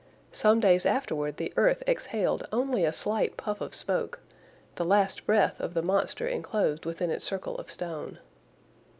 Some days afterward the earth exhaled only a slight puff of smoke, the last breath of the monster enclosed within its circle of stone.